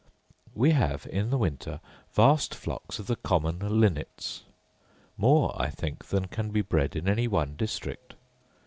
We have, in the winter, vast flocks of the common linnets; more, I think, than can be bred in any one district.